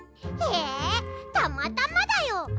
えたまたまだよ。